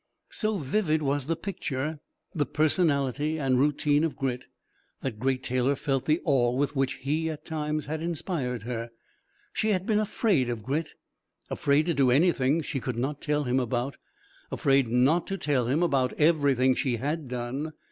So vivid was the picture, the personality and routine of Grit, that Great Taylor felt the awe with which he, at times, had inspired her. She had been afraid of Grit afraid to do anything she could not tell him about; afraid not to tell him about everything she had done.